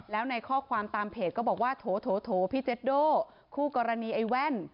แล้วในข้อความตามเพจก็บอกว่าโถพี่เจ็ดโดคู่กรณีไอ้แว่น